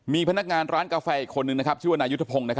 มีพนักงานร้านกาแฟอีกคนนึงชื่อว่านายุทธพงศ์